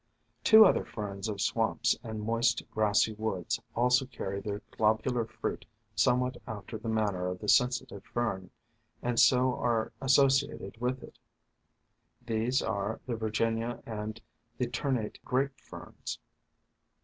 Two other Ferns of swamps and moist grassy woods also carry their globular fruit somewhat after the manner of the Sensitive Fern, and so are asso ciated with it. These are the Virginia and the Ternate Grape Ferns.